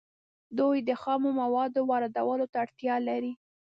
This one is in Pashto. دوی د خامو موادو واردولو ته اړتیا لري